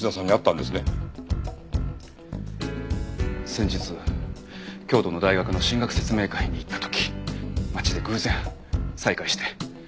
先日京都の大学の進学説明会に行った時町で偶然再会して。